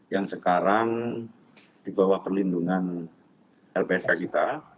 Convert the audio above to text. yang sekarang di bawah perlindungan lpsk kita